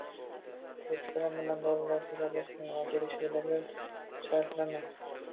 O‘spirin bilan bolalarcha gaplashmang va kelishuvlarga kuch sarflamang.